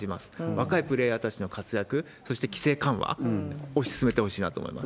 若いプレーヤーたちの活躍、そして規制緩和、押し進めてほしいなと思います。